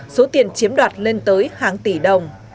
số tiền chiếm đoạt lên tới hàng tỷ đồng